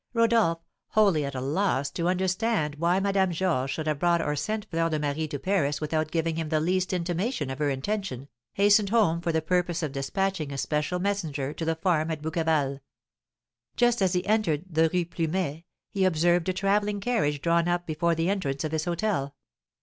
Rodolph, wholly at a loss to understand why Madame Georges should have brought or sent Fleur de Marie to Paris without giving him the least intimation of her intention, hastened home for the purpose of despatching a special messenger to the farm at Bouqueval. Just as he entered the Rue Plumet he observed a travelling carriage drawn up before the entrance of his hotel.